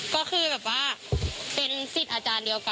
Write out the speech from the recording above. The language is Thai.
ถ้ามีอะไรก็ต้องช่วยกันอะไรอย่างนี้ค่ะ